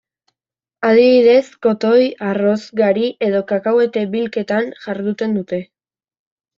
Adibidez, kotoi, arroz, gari edo kakahuete bilketan jarduten dute.